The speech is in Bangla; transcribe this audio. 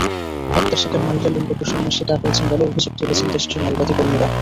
হত্যার শিকার নারীরা লিঙ্গবৈষম্যের শিকার হয়েছেন বলে অভিযোগ তুলেছেন দেশটির নারীবাদী কর্মীরা।